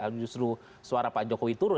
justru suara pak jokowi turun